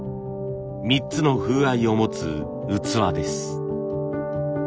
３つの風合いを持つ器です。